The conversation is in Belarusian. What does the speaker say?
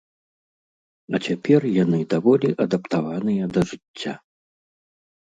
А цяпер яны даволі адаптаваныя да жыцця.